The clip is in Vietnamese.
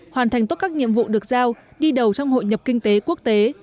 hoàn thành tốt các nhiệm vụ được giao đi đầu trong hội nhập kinh tế quốc tế